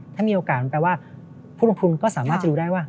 ถ้ามีโอกาสมันแปลว่าผู้ลงทุนก็สามารถจะรู้ได้ว่า